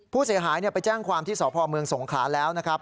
ผู้เสียหายไปแจ้งความที่สพเมืองสงขลาแล้วนะครับ